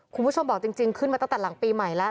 คุณผู้ชมบอกจริงขึ้นมาตั้งแต่หลังปีใหม่แล้ว